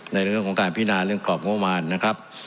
ในเรื่องของการพินาเรื่องกรอบงบมารนะครับ